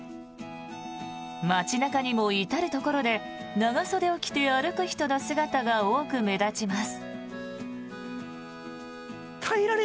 街中にも至るところで長袖を着て歩く人の姿が多く目立ちます。